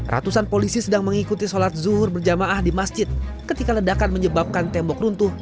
ratusan polisi sedang mengikuti sholat zuhur berjamaah di masjid ketika ledakan menyebabkan tembok runtuh